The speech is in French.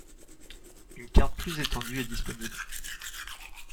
Une carte plus étendue est disponible.